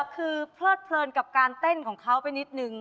คือเพลิดเพลินกับการเต้นของเขาไปนิดนึง